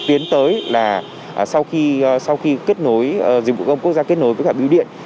tiến tới là sau khi dịch vụ công quốc gia kết nối với biêu điện